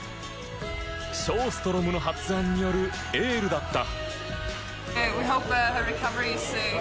ショーストロムの発案によるエールだった。